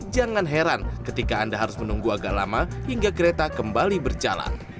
jangan heran ketika anda harus menunggu agak lama hingga kereta kembali berjalan